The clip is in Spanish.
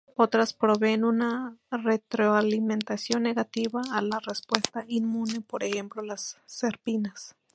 Otras proveen una retroalimentación negativa a la respuesta inmune, por ejemplo las serpinas.